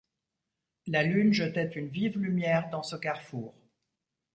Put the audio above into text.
La lune jetait une vive lumière dans ce carrefour.